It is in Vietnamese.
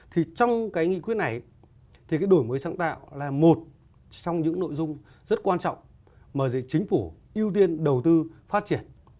thì trong cái nghị quyết này thì cái đổi mới sáng tạo là một trong những nội dung rất quan trọng mà chính phủ ưu tiên đầu tư phát triển